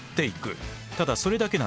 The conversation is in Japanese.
ただそれだけなんです。